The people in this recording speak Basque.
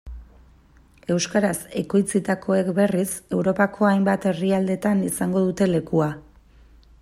Euskaraz ekoitzitakoek berriz, Europako hainbat herrialdetan izango dute lekua.